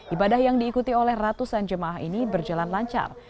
ibadah yang diikuti oleh ratusan jemaah ini berjalan lancar